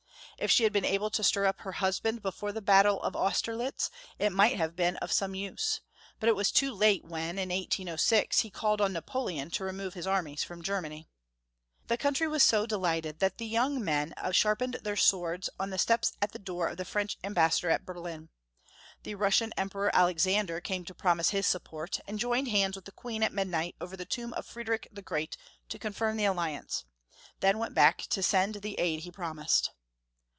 If she had been able to stir up her husband before the battle of Austerlitz, it might have been of some use, but it was too late when, in 1806, he called on Napoleon to remove his armies from Germany. The country was so delighted that the young men sharpened their swords on the steps at the door of the French ambassador at Berlin. The Russian Emperor Alexander came to promise his support, and joined hands with the Queen at midnight over the tomb of Friedrich the Great to confirm the alliance, then went back to send the aid he promised.